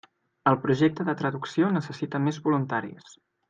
El projecte de traducció necessita més voluntaris.